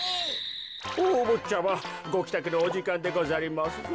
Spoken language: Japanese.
おおぼっちゃまごきたくのおじかんでござりますぞ。